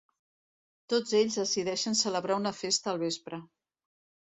Tots ells decideixen celebrar una festa al vespre.